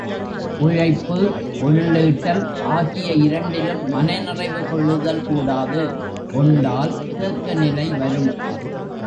உழைப்பு, பொருளீட்டல் ஆகிய இரண்டிலும் மன நிறைவு கொள்ளுதல் கூடாது கொண்டால் தேக்கநிலை வரும்.